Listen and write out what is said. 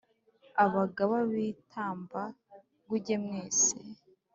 abagaba b'i tamba-nguge mwese,